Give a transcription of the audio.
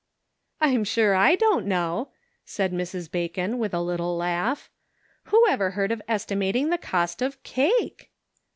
" I'm sure I don't know," said Mrs. Bacon, with a little laugh. " Who ever heard of estimating the cost of cake?"